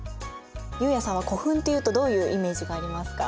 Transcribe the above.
悠也さんは古墳っていうとどういうイメージがありますか？